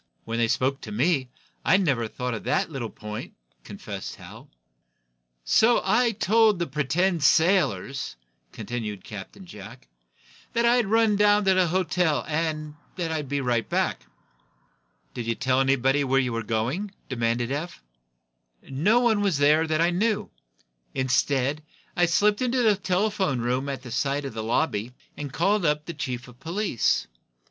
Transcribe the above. When they spoke to me, I never thought of that little point," confessed Hal. "So I told the pretended sailors," continued Captain Jack, "that I'd run down to the hotel, and that I'd be right back." "Did you tell anyone where you were going?" demanded Eph. "No one was there that I knew. Instead, I slipped into the telephone room, at the side of the lobby, and called up the chief of police.